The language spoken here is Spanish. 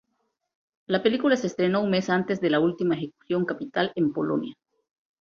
La película se estrenó un mes antes de la última ejecución capital en Polonia.